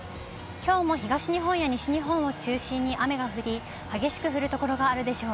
きょうも東日本や西日本を中心に雨が降り、激しく降る所があるでしょう。